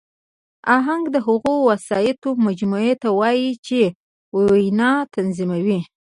آهنګ د هغو وسایطو مجموعې ته وایي، چي وینا تنظیموي.